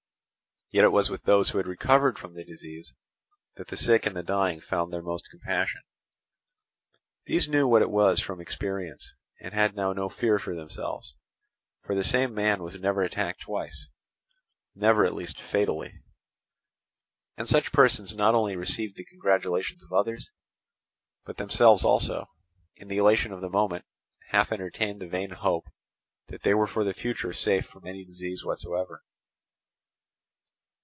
Yet it was with those who had recovered from the disease that the sick and the dying found most compassion. These knew what it was from experience, and had now no fear for themselves; for the same man was never attacked twice—never at least fatally. And such persons not only received the congratulations of others, but themselves also, in the elation of the moment, half entertained the vain hope that they were for the future safe from any disease whatsoever.